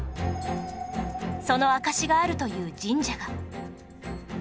その証しがあるという神社が